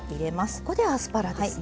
ここでアスパラですね。